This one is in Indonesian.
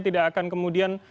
tidak akan kemudian